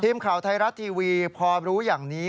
ทีมข่าวไทยรัฐทีวีพอรู้อย่างนี้